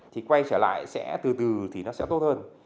thì quay trở lại sẽ từ từ thì nó sẽ tốt hơn